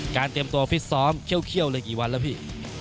เตรียมตัวฟิตซ้อมเคี่ยวเลยกี่วันแล้วพี่